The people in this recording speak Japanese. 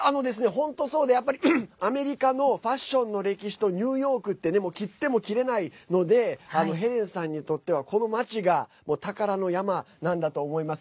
本当そうでアメリカのファッションの歴史とニューヨークって切っても切れないのでヘレンさんにとってはこの街が宝の山なんだと思います。